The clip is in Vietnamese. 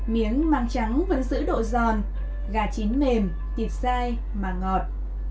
miếng măng trắng vẫn giữ độ giòn gà chín mềm thịt dai mà ngọt